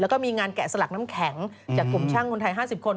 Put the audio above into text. แล้วก็มีงานแกะสลักน้ำแข็งจากกลุ่มช่างคนไทย๕๐คน